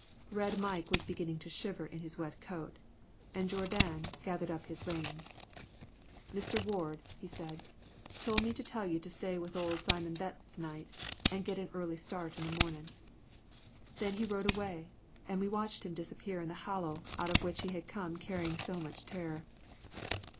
Red Mike was beginning to shiver in his wet coat, and Jourdan gathered up his reins. "Mr. Ward," he said, "told me to tell you to stay with old Simon Betts to night, an' git an early start in the mornin'." Then he rode away, and we watched him disappear in the hollow out of which he had come carrying so much terror.